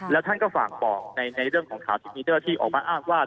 แล้วท่านก็ฝากบอกในเรื่องของข่าวที่มีเจ้าที่ออกมาอ้างว่า